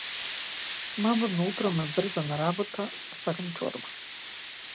Мамурно утро ме брза на работа, а сакам чорба.